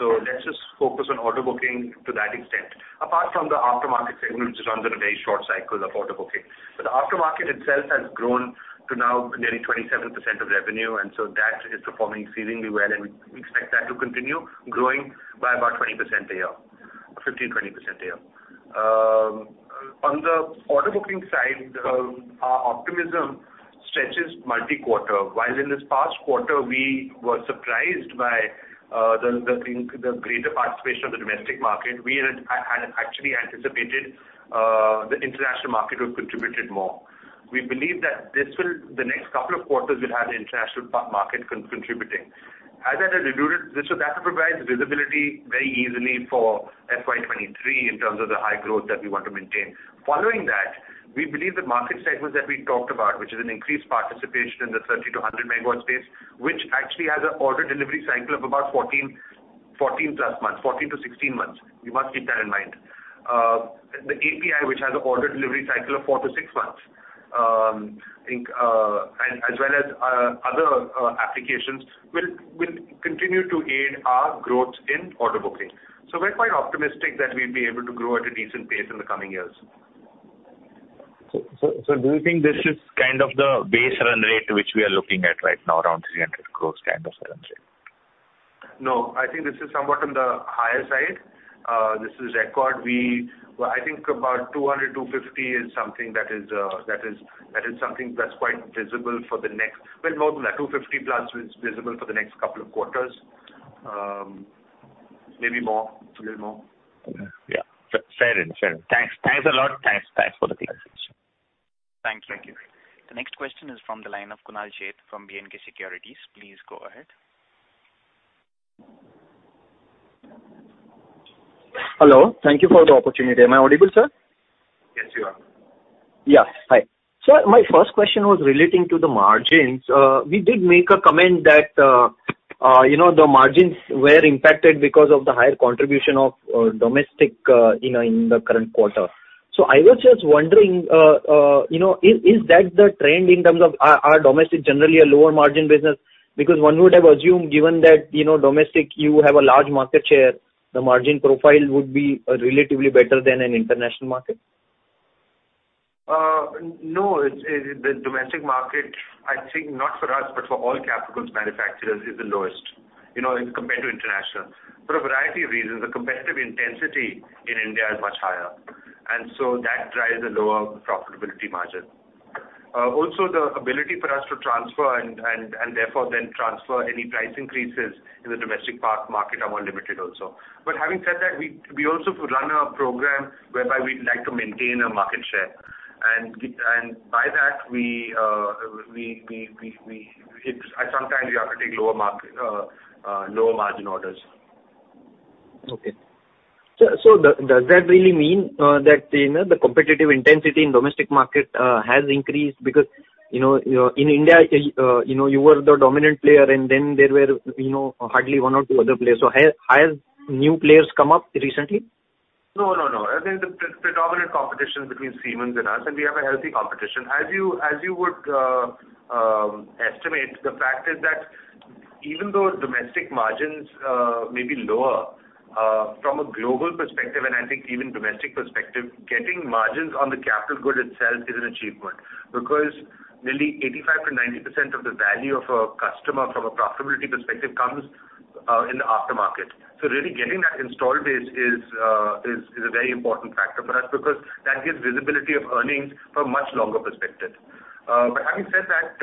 Let's just focus on order booking to that extent. Apart from the aftermarket segment, which is under a very short cycle of order booking. The aftermarket itself has grown to now nearly 27% of revenue, and that is performing exceedingly well, and we expect that to continue growing by about 20% a year, 15, 20% a year. On the order booking side, our optimism stretches multi-quarter. While in this past quarter we were surprised by the greater participation of the domestic market. I'd actually anticipated the international market would've contributed more. We believe that the next couple of quarters will have the international market contributing. As I had alluded, that should provide visibility very easily for FY 2023 in terms of the high growth that we want to maintain. Following that, we believe the market segments that we talked about, which is an increased participation in the 30-100 MW space, which actually has an order delivery cycle of about 14-16 months. You must keep that in mind. The API, which has an order delivery cycle of four-six months, I think, as well as other applications will continue to aid our growth in order booking. We're quite optimistic that we'll be able to grow at a decent pace in the coming years. Do you think this is kind of the base run rate which we are looking at right now, around 300 crore kind of run rate? No, I think this is somewhat on the higher side. This is record. Well, I think about 200-250 is something that's quite visible for the next. Well, no, 250+ is visible for the next couple of quarters. Maybe more. It's a little more. Yeah. Fair enough. Thanks a lot for the clarification. Thank you. The next question is from the line of Kunal Sheth from B&K Securities. Please go ahead. Hello. Thank you for the opportunity. Am I audible, sir? Yes, you are. Yeah. Hi. My first question was relating to the margins. We did make a comment that, you know, the margins were impacted because of the higher contribution of domestic, you know, in the current quarter. I was just wondering, you know, is that the trend in terms of are domestic generally a lower margin business? Because one would have assumed, given that, you know, domestic you have a large market share, the margin profile would be relatively better than an international market. No. It's the domestic market, I think not for us, but for all capital goods manufacturers is the lowest, you know, compared to international for a variety of reasons. The competitive intensity in India is much higher, and so that drives a lower profitability margin. Also the ability for us to transfer and therefore then transfer any price increases in the domestic market are more limited also. Having said that, we also run a program whereby we like to maintain a market share and by that at times you have to take lower margin orders. Okay. Does that really mean that you know the competitive intensity in domestic market has increased? Because you know in India you know you were the dominant player and then there were you know hardly one or two other players. Have new players come up recently? No. I think the predominant competition between Siemens and us, and we have a healthy competition. As you would estimate the fact is that even though domestic margins may be lower from a global perspective, and I think even domestic perspective, getting margins on the capital good itself is an achievement because nearly 85%-90% of the value of a customer from a profitability perspective comes in the aftermarket. Really getting that installed base is a very important factor for us because that gives visibility of earnings for a much longer perspective. Having said that,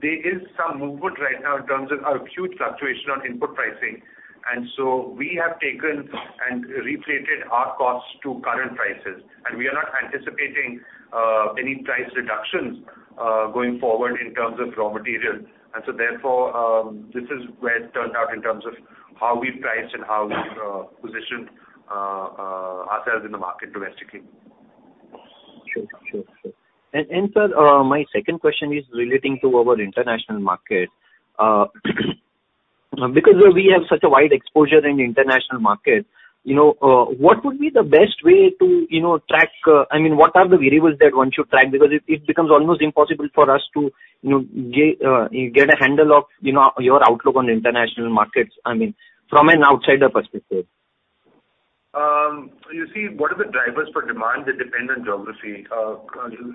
there is some movement right now in terms of a huge fluctuation on input pricing. We have taken and recreated our costs to current prices, and we are not anticipating any price reductions going forward in terms of raw materials. Therefore, this is where it turned out in terms of how we priced and how we positioned ourselves in the market domestically. Sure. Sir, my second question is relating to our international market. Because we have such a wide exposure in the international market, you know, what would be the best way to, you know, track, I mean, what are the variables that one should track? Because it becomes almost impossible for us to, you know, get a handle of, you know, your outlook on international markets, I mean, from an outsider perspective. You see, what are the drivers for demand? They depend on geography.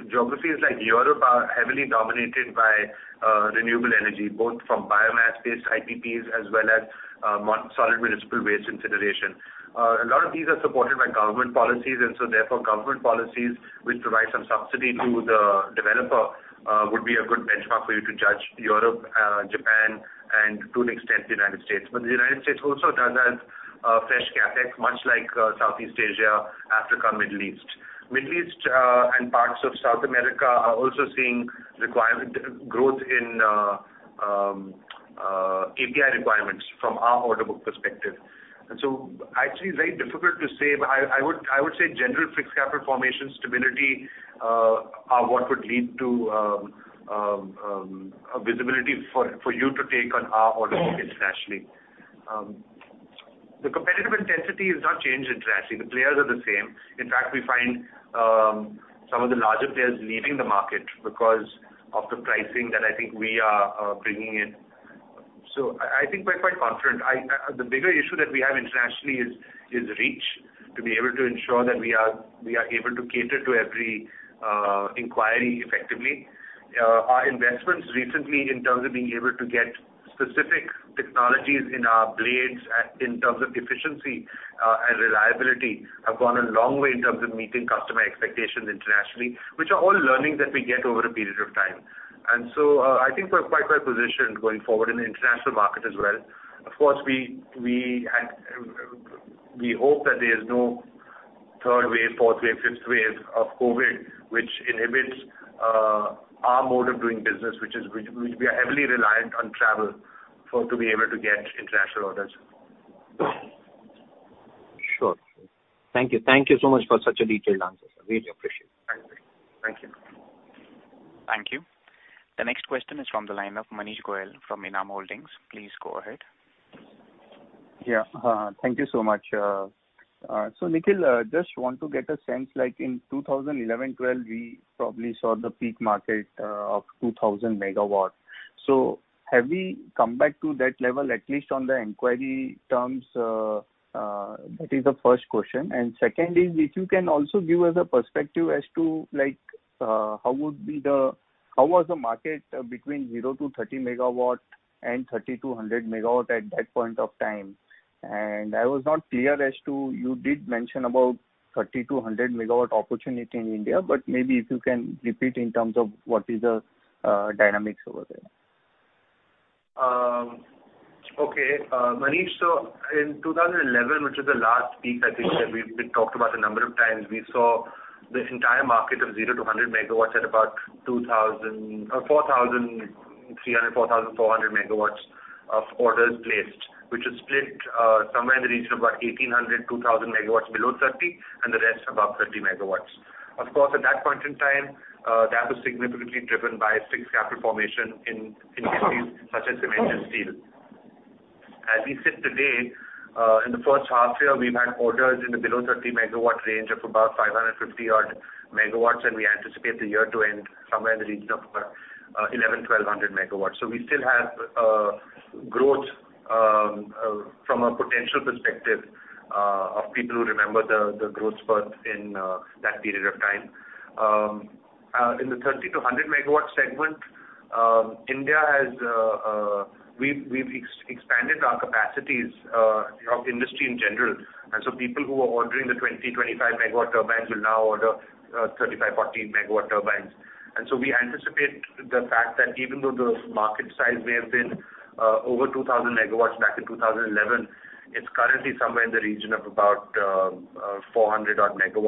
Geographies like Europe are heavily dominated by renewable energy, both from biomass-based IPPs as well as solid municipal waste incineration. A lot of these are supported by government policies, and so therefore government policies which provide some subsidy to the developer would be a good benchmark for you to judge Europe, Japan and to an extent the United States. The United States also does have fresh CapEx, much like Southeast Asia, Africa, Middle East. Middle East and parts of South America are also seeing requirement growth in API requirements from our order book perspective. Actually very difficult to say, but I would say general fixed capital formation stability are what would lead to a visibility for you to take on our order book internationally. The competitive intensity has not changed internationally. The players are the same. In fact, we find some of the larger players leaving the market because of the pricing that I think we are bringing in. I think we're quite confident. The bigger issue that we have internationally is reach to be able to ensure that we are able to cater to every inquiry effectively. Our investments recently in terms of being able to get specific technologies in our blades and in terms of efficiency and reliability have gone a long way in terms of meeting customer expectations internationally, which are all learning that we get over a period of time. I think we're quite well positioned going forward in the international market as well. Of course, we hope that there is no third wave, fourth wave, fifth wave of COVID, which inhibits our mode of doing business, which we are heavily reliant on travel for, to be able to get international orders. Sure. Thank you. Thank you so much for such a detailed answer. Really appreciate it. Thank you. Thank you. The next question is from the line of Manish Goyal from Enam Holdings. Please go ahead. Yeah. Thank you so much. Nikhil, just want to get a sense like in 2011, 2012, we probably saw the peak market of 2,000 MW. Have we come back to that level, at least on the inquiry terms? That is the first question. Second is if you can also give us a perspective as to like, how was the market between 0-30 MW and 30-100 MW at that point of time? I was not clear as to you did mention about 30-100 MW opportunity in India, but maybe if you can repeat in terms of what is the dynamics over there. Manish, in 2011, which was the last peak, I think that we've talked about a number of times, we saw the entire market of 0-100 MW at about 4,300-4,400 MW of orders placed, which is split somewhere in the region of about 1,800-2,000 MW below 30 MW, and the rest above 30 MW. Of course, at that point in time, that was significantly driven by fixed capital formation in industries such as cement and steel. As we sit today, in the first half year, we've had orders in the below 30 MW range of about 550-odd MW, and we anticipate the year to end somewhere in the region of about 1,100-1,200 MW. We still have growth from a potential perspective of people who remember the growth spurt in that period of time. In the 30-100 MW segment, India has, we've expanded our capacities of industry in general. People who are ordering the 20-25 MW turbines will now order 35-40 MW turbines. We anticipate the fact that even though the market size may have been over 2,000 MW back in 2011, it's currently somewhere in the region of about 400-odd MW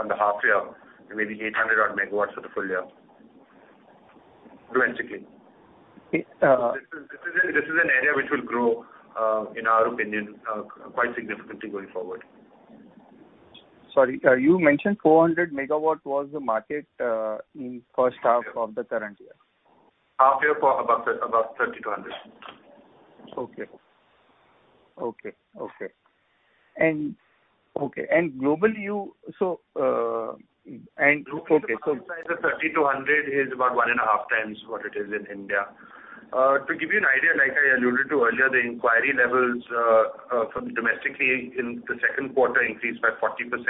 on the half year and maybe 800-odd MW for the full year. This is an area which will grow, in our opinion, quite significantly going forward. Sorry, you mentioned 400 MW was the market in first half of the current year. Half year for above 30-100 MW. Okay. Globally, so Globally, the market size of 30-100 is about 1.5x what it is in India. To give you an idea, like I alluded to earlier, the inquiry levels from domestically in the second quarter increased by 40%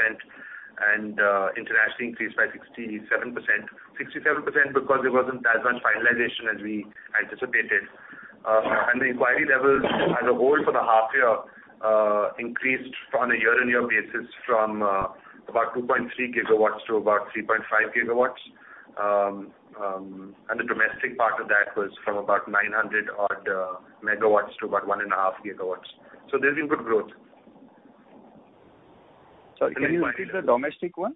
and internationally increased by 67%. 67% because there wasn't as much finalization as we anticipated. The inquiry levels as a whole for the half year increased on a year-on-year basis from about 2.3 GW to about 3.5 GW. The domestic part of that was from about 900-odd MW to about 1.5 GW. There's been good growth. Sorry, can you repeat the domestic one?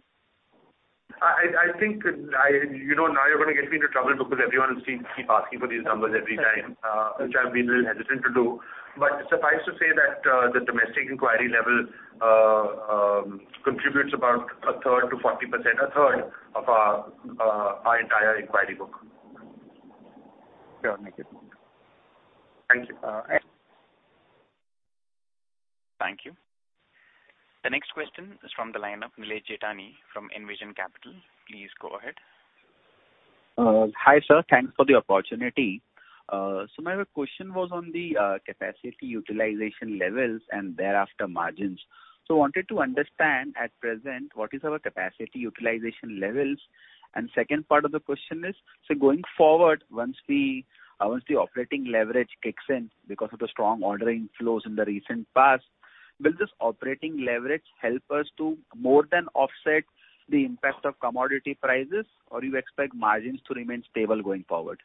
I think you know, now you're gonna get me into trouble because everyone seems to keep asking for these numbers every time, which I've been really hesitant to do. Suffice to say that the domestic inquiry level contributes about a third to 40%, a third of our entire inquiry book. Sure, make a note. Thank you. Thank you. The next question is from the line of Nilesh Jethani from Envision Capital. Please go ahead. Hi, sir. Thanks for the opportunity. My question was on the capacity utilization levels and thereafter margins. I wanted to understand at present what is our capacity utilization levels? Second part of the question is, so going forward, once the operating leverage kicks in because of the strong ordering flows in the recent past, will this operating leverage help us to more than offset the impact of commodity prices, or you expect margins to remain stable going forward?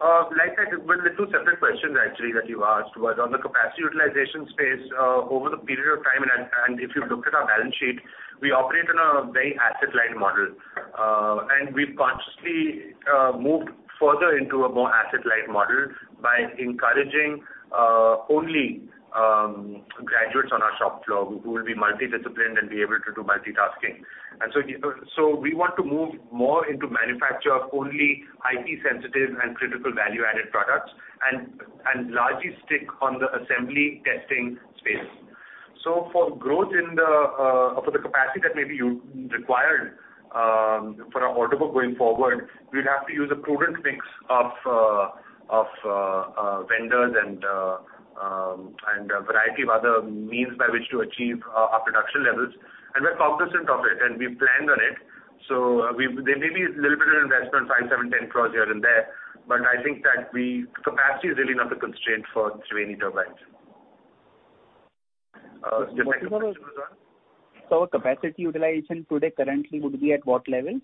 Like I said, well, they're two separate questions actually that you asked, was on the capacity utilization space, over the period of time and if you looked at our balance sheet, we operate on a very asset-light model. We've consciously moved further into a more asset-light model by encouraging only graduates on our shop floor who will be multi-disciplined and be able to do multitasking. We want to move more into manufacture of only IT sensitive and critical value-added products and largely stick on the assembly testing space. For growth in the capacity that may be required for our order book going forward, we'd have to use a prudent mix of vendors and a variety of other means by which to achieve our production levels. We're cognizant of it, and we've planned on it. There may be a little bit of investment, 5 crore, 7 crore, 10 crore here and there, but I think that we. Capacity is really not the constraint for Triveni turbines. The second question was what? Capacity utilization today currently would be at what levels?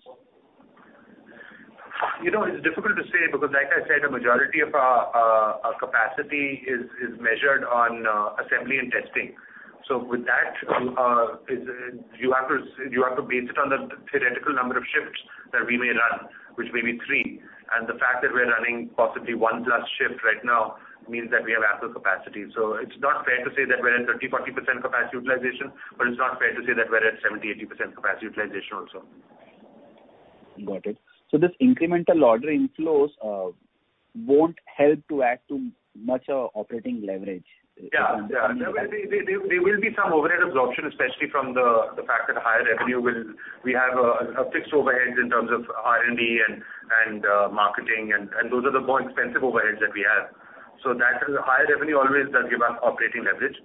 You know, it's difficult to say because like I said, a majority of our capacity is measured on assembly and testing. With that, you have to base it on the theoretical number of shifts that we may run, which may be three. The fact that we're running possibly one plus shift right now means that we have ample capacity. It's not fair to say that we're at 30%-40% capacity utilization, but it's not fair to say that we're at 70%-80% capacity utilization also. Got it. This incremental order inflows won't help to add too much operating leverage. Yeah. There will be some overhead absorption, especially from the fact that higher revenue will. We have fixed overheads in terms of R&D and marketing, and those are the more expensive overheads that we have. Higher revenue always does give us operating leverage,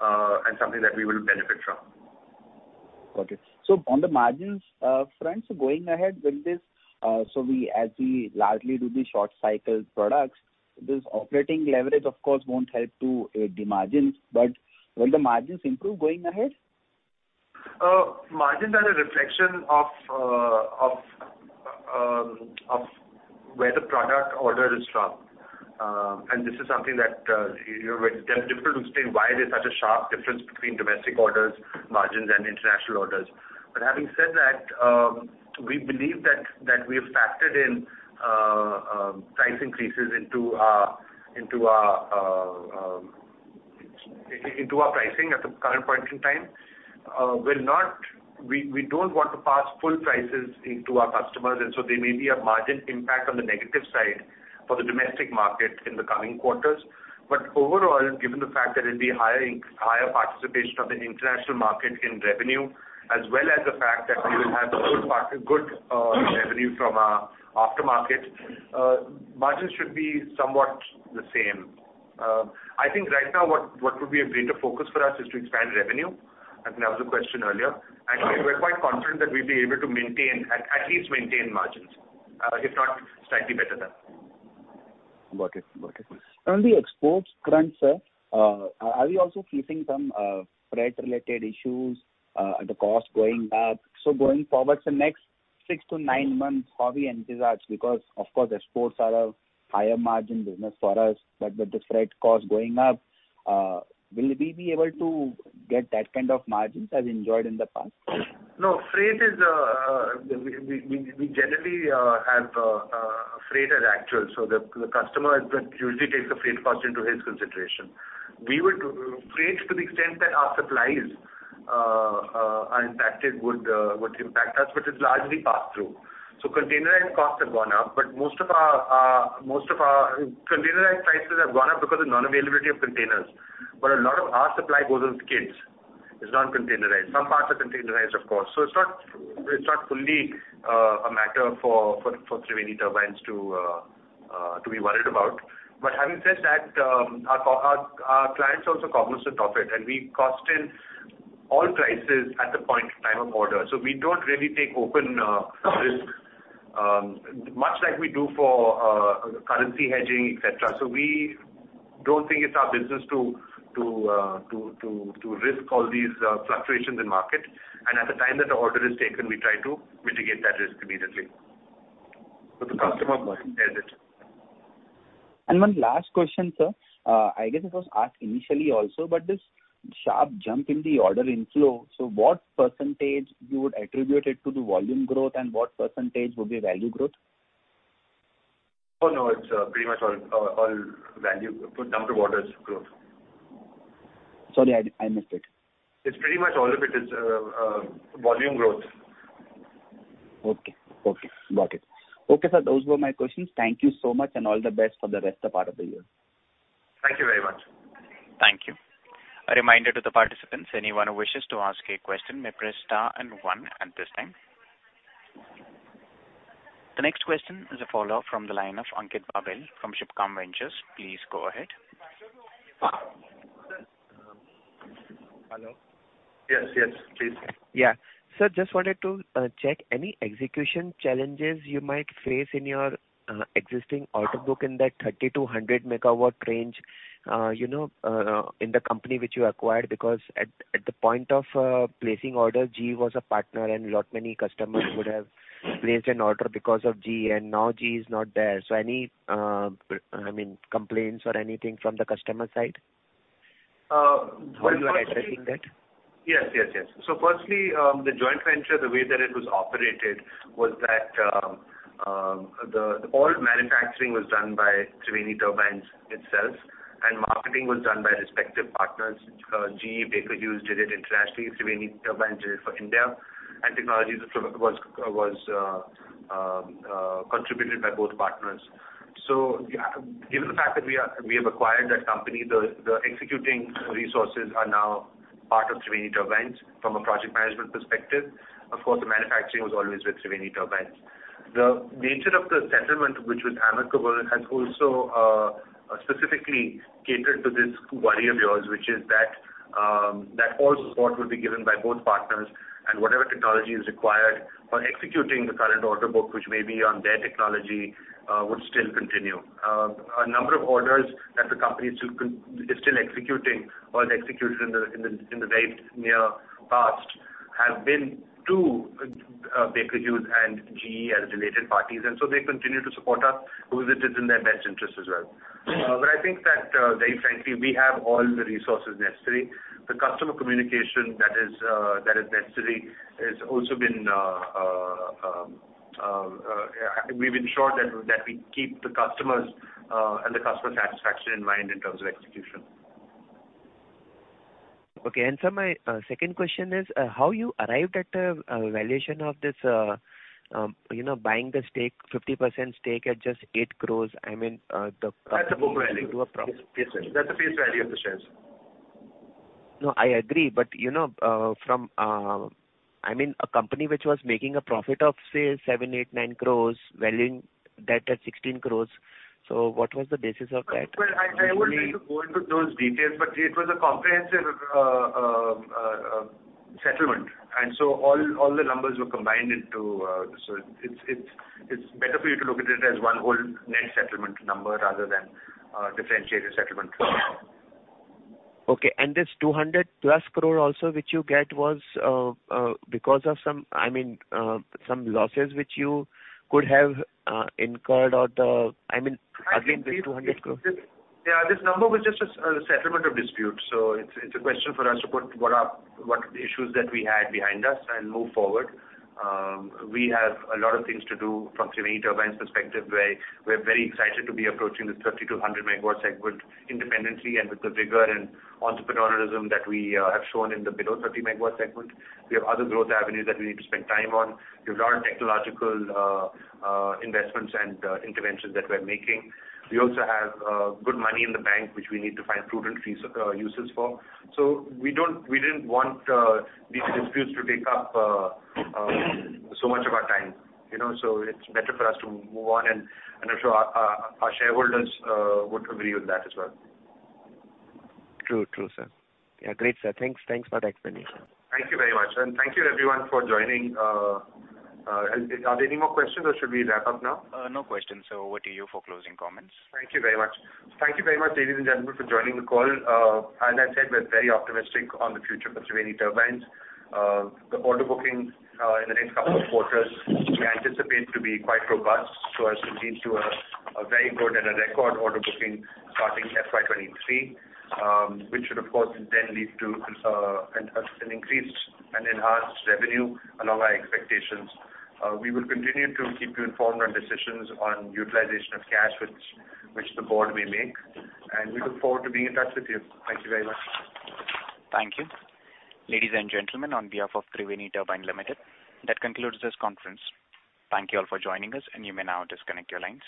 and something that we will benefit from. Got it. On the margins front, going ahead, as we largely do the short cycle products, this operating leverage of course won't help to aid the margins. Will the margins improve going ahead? Margins are a reflection of where the product order is from. This is something that, you know, it's difficult to explain why there's such a sharp difference between domestic orders margins and international orders. Having said that, we believe that we have factored in price increases into our pricing at the current point in time. We're not. We don't want to pass full prices into our customers, and so there may be a margin impact on the negative side for the domestic market in the coming quarters. Overall, given the fact that it'll be higher participation of the international market in revenue, as well as the fact that we will have good revenue from our aftermarket, margins should be somewhat the same. I think right now, what would be a greater focus for us is to expand revenue. I think that was the question earlier. Actually, we're quite confident that we'll be able to maintain, at least maintain margins, if not slightly better than. Got it. On the exports front, sir, are we also facing some freight related issues, the cost going up? Going forward, next six-nine months, how we envisage? Because, of course, exports are a higher margin business for us, but with the freight cost going up, will we be able to get that kind of margins as enjoyed in the past? No, freight is. We generally have freight as actual. The customer usually takes the freight cost into his consideration. We would freight to the extent that our supplies are impacted would impact us, but it's largely passed through. Containerized costs have gone up, but most of our containerized prices have gone up because of non-availability of containers. A lot of our supply goes with skids. It's not containerized. Some parts are containerized, of course. It's not fully a matter for Triveni Turbines to be worried about. Having said that, our clients are also cognizant of it, and we cost in all prices at the point in time of order. We don't really take open risk much like we do for currency hedging, et cetera. We don't think it's our business to risk all these fluctuations in market. At the time that the order is taken, we try to mitigate that risk immediately. The customer bears it. One last question, sir. I guess it was asked initially also, but this sharp jump in the order inflow, so what percentage you would attribute it to the volume growth, and what percentage would be value growth? Oh, no, it's pretty much all value. Put number of orders growth. Sorry, I missed it. It's pretty much all of it is volume growth. Okay. Okay. Got it. Okay, sir, those were my questions. Thank you so much and all the best for the rest of part of the year. Thank you very much. Thank you. A reminder to the participants, anyone who wishes to ask a question may press star and one at this time. The next question is a follow-up from the line of Ankit Babel from Shubhkam Ventures. Please go ahead. Hello. Yes, yes, please. Yeah. Sir, just wanted to check any execution challenges you might face in your existing order book in that 30-100 MW range, you know, in the company which you acquired because at the point of placing order, GE was a partner and lot many customers would have placed an order because of GE and now GE is not there. So any, I mean, complaints or anything from the customer side? Well, firstly. How are you addressing that? Yes. Firstly, the joint venture, the way that it was operated was that all manufacturing was done by Triveni Turbines itself, and marketing was done by respective partners. GE, Baker Hughes did it internationally. Triveni Turbines did it for India. Technology was contributed by both partners. Given the fact that we have acquired that company, the executing resources are now part of Triveni Turbines from a project management perspective. Of course, the manufacturing was always with Triveni Turbines. The nature of the settlement, which was amicable, has also specifically catered to this worry of yours, which is that all support will be given by both partners and whatever technology is required for executing the current order book, which may be on their technology, would still continue. A number of orders that the company is still executing or has executed in the very near past have been to Baker Hughes and GE as related parties, and so they continue to support us because it is in their best interest as well. I think that very frankly, we have all the resources necessary. The customer communication that is necessary has also been. We've ensured that we keep the customers and the customer satisfaction in mind in terms of execution. Okay. Sir, my second question is, how you arrived at the valuation of this, you know, buying the stake, 50% stake at just 8 crore? I mean, the- That's the book value. company into a profit. Yes, that's the face value of the shares. No, I agree. You know, from, I mean, a company which was making a profit of, say, 7 crores-8 crores-INR 9 crores, valuing that at 16 crores. What was the basis of that? Well, I wouldn't need to go into those details, but it was a comprehensive settlement. All the numbers were combined into, so it's better for you to look at it as one whole net settlement number rather than differentiated settlement numbers. Okay. This 200+ crore also which you get was because of some, I mean, some losses which you could have incurred or the, I mean, again, the 200 crore. Yeah, this number was just a settlement of dispute. It's a question for us to put what the issues that we had behind us and move forward. We have a lot of things to do from Triveni Turbines perspective, where we're very excited to be approaching this 30-100 MW segment independently and with the vigor and entrepreneurialism that we have shown in the below 30 MW segment. We have other growth avenues that we need to spend time on. We have a lot of technological investments and interventions that we're making. We also have good money in the bank, which we need to find prudent uses for. We didn't want these disputes to take up so much of our time, you know. It's better for us to move on, and I'm sure our shareholders would agree with that as well. True. True, sir. Yeah, great, sir. Thanks. Thanks for the explanation. Thank you very much. Thank you everyone for joining. Are there any more questions, or should we wrap up now? No questions, sir. Over to you for closing comments. Thank you very much. Thank you very much, ladies and gentlemen, for joining the call. As I said, we're very optimistic on the future for Triveni Turbines. The order booking in the next couple of quarters, we anticipate to be quite robust. As to lead to a very good and a record order booking starting FY 2023, which should of course then lead to an increased and enhanced revenue along our expectations. We will continue to keep you informed on decisions on utilization of cash which the board may make. We look forward to being in touch with you. Thank you very much. Thank you. Ladies and gentlemen, on behalf of Triveni Turbine Limited, that concludes this conference. Thank you all for joining us, and you may now disconnect your lines.